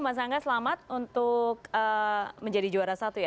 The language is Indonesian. mas angga selamat untuk menjadi juara satu ya